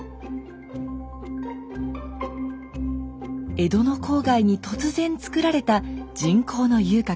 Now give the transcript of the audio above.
江戸の郊外に突然つくられた人工の遊郭。